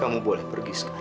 kamu boleh pergi sekarang